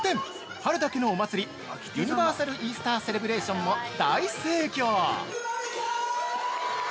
春だけのお祭り「ユニバーサル・イースター・セレブレーション」も大盛況！